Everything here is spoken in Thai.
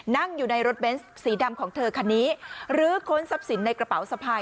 นั่งอยู่ในรถเบนส์สีดำของเธอคันนี้ลื้อค้นทรัพย์สินในกระเป๋าสะพาย